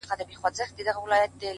يــاره مـدعـا يــې خوښه ســـوېده،